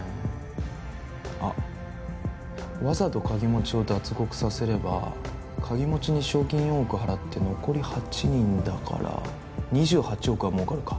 あっわざと鍵持ちを脱獄させれば鍵持ちに賞金４億払って残り８人だから２８億は儲かるか。